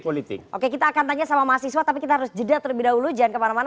politik oke kita akan tanya sama mahasiswa tapi kita harus jeda terlebih dahulu jangan kemana mana